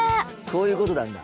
そういうことなんだ。